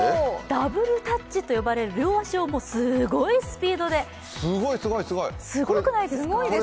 ダブルタッチと呼ばれる、両足をすごいスピードで、すごくないですか？